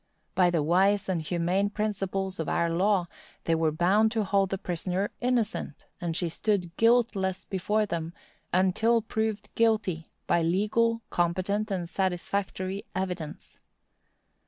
By the wise and humane principles of our law, they were bound to hold the prisoner innocent, and she stood guiltless before them, until proved guilty, by legal, competent, and satisfactory evidence.